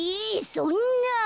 そんな。